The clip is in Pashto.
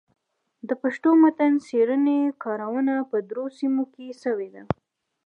د پښتو متن څېړني کارونه په درو سيمو کي سوي دي.